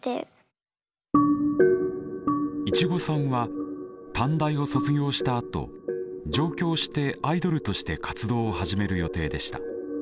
いちごさんは短大を卒業したあと上京してアイドルとして活動を始める予定でした。